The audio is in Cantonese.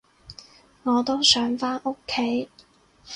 我都想返屋企